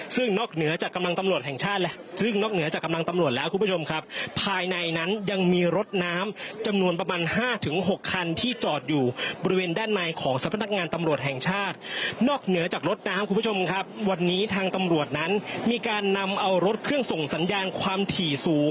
ซึ่งนอกเหนือจากกำลังตำรวจแห่งชาติ